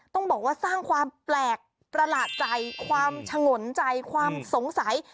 ต้องบอกว่าสร้างความแปลกประหลาดใจความฉงนใจความสงสัย